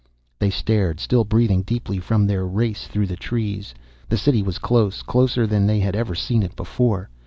They stared, still breathing deeply from their race through the trees. The City was close, closer than they had ever seen it before.